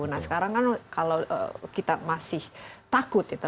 nah sekarang kan kalau kita masih takut ya